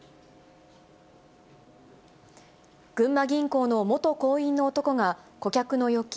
群馬銀行の元行員の男が、顧客の預金